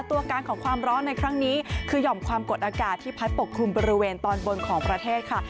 ตัวการของความร้อนในครั้งนี้คือหย่อมความกดอากาศที่พัดปกคลุมบริเวณตอนบนของประเทศค่ะ